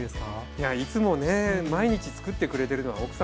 いやあいつもね毎日つくってくれてるのは奥さんの方なんでね。